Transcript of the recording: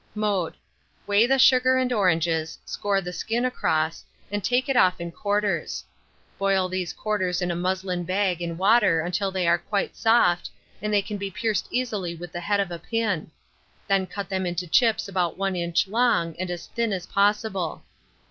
Mode. Weigh the sugar and oranges, score the skin across, and take it off in quarters. Boil these quarters in a muslin bag in water until they are quite soft, and they can be pierced easily with the head of a pin; then cut them into chips about 1 inch long, and as thin as possible.